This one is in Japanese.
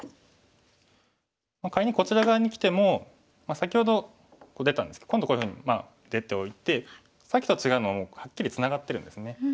仮にこちら側にきても先ほど出たんですけど今度こういうふうに出ておいてさっきと違うのははっきりツナがってるんですね。